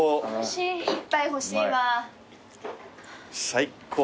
最高。